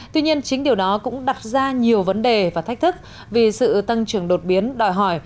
tuy nhiên chính điều đó cũng đặt ra nhiều vấn đề và thách thức vì sự tăng trưởng đột biến đòi hỏi